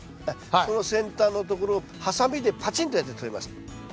その先端のところをハサミでパチンとやってとります。